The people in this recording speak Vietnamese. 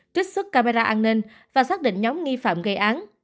trích xuất camera an ninh và xác định nhóm nghi phạm gây án